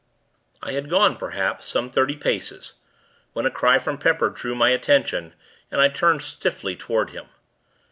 I had gone, perhaps, some thirty paces, when a cry from Pepper, drew my attention, and I turned, stiffly, toward him.